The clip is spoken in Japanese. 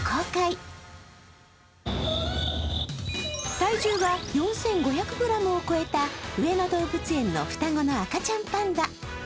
体重が４５００ｇを超えた上野動物園の双子の赤ちゃんパンダ。